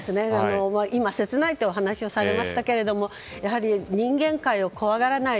今、切ないというお話をされましたけどもやはり人間界を怖がらない